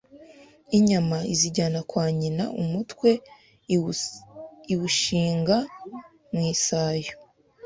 inyama izijyana kwa nyina umutwe iwushinga mu isayo